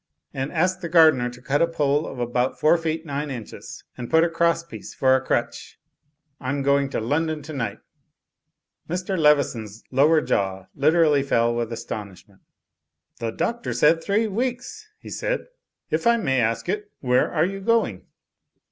And ask the gardener to cut a pole of about four feet nine inches, and put a cross piece for a crutch. Tm going up to London to night." Mr. Leveson's lower jaw literally fell with aston ishment. "The Doctor said three weeks," he said. "If I may ask it, where are you going?"